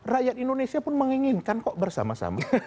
rakyat indonesia pun menginginkan kok bersama sama